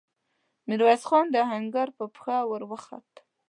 ميرويس خان د آهنګر پر پښه ور وخووت.